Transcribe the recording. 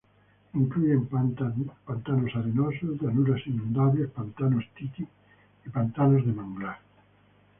Incluyen pantanos arenosos, llanuras inundables, pantanos Titi, y pantanos de manglar.